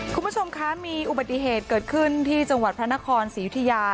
คุณผู้ชมคะมีอุบัติเหตุเกิดขึ้นที่จังหวัดพระนครศรียุธยา